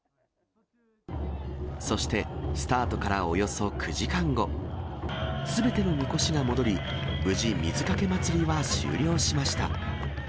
そして、スタートからおよそ９時間後、すべてのみこしが戻り、無事、水かけ祭りは終了しました。